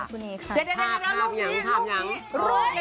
ถั้งนี้ภาพเล่นลูกนี้